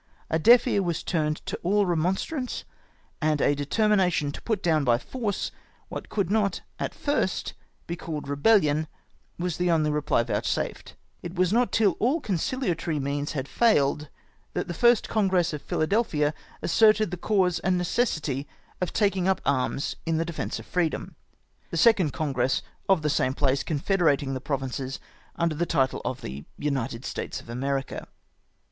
A deaf ear was turned to all remonstrance, and a determination to put down by force what could not at first be cahed rebelhon was the only reply vouchsafed ; it was not till all concihatory means had failed that the first Con gress of Philadelphia asserted the cause and necessity of taking up arms in the defence of freedom ; the second Congress of the same place confederating the provinces under the title of the " United States of America."